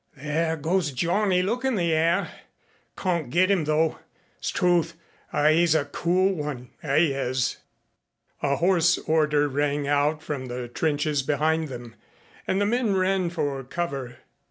"There goes 'Johnny look in the air.' Cawn't get 'im, though. 'Strewth! 'E's a cool one 'e is!" A hoarse order rang out from the trenches behind them and the men ran for cover.